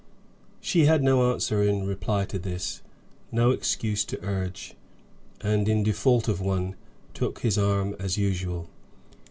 She had no answer in reply to this, no excuse to urge, and, in default of one, took his arm, as usual.